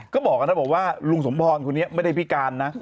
ก็บอกนะบอกว่าลุงสมพรคนนี้ไม่ได้พิการนะ